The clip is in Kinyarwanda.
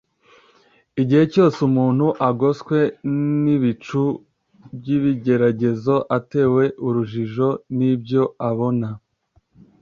Igihe cyose umuntu agoswe n'ibicu by'ibigeragezo, atewe urujijo n'ibyo abona,